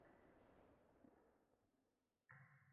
Ishni qachon qabul qilib olasiz?